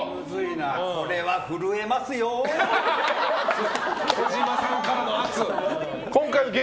これは震えますよー！